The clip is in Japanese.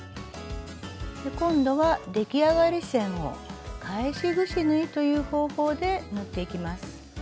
今度は出来上がり線を「返しぐし縫い」という方法で縫っていきます。